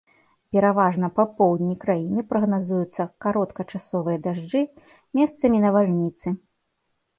Пераважна па поўдні краіны прагназуюцца кароткачасовыя дажджы, месцамі навальніцы.